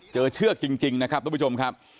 เจอเชือกจริงครับทุกผู้ชม